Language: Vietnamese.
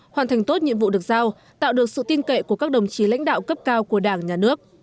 hoàn thành tốt nhiệm vụ được giao tạo được sự tin cậy của các đồng chí lãnh đạo cấp cao của đảng nhà nước